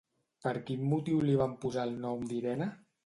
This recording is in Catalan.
Per quin motiu li van posar el nom d'Irene?